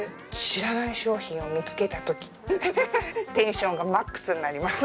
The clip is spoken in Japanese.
知らない商品を見つけた時テンションがマックスになります。